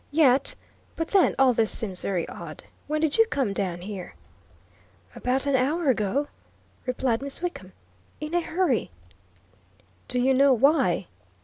"Yet but then, all this seems very odd. When did you come down here?" "About an hour ago," replied Miss Wickham, "in a hurry." "Do you know why?"